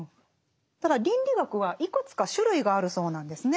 ただ倫理学はいくつか種類があるそうなんですね。